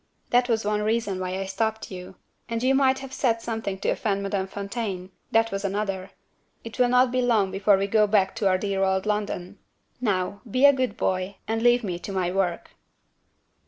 That was one reason why I stopped you. And you might have said something to offend Madame Fontaine that was another. It will not be long before we go back to our dear old London. Now, be a good boy, and leave me to my work."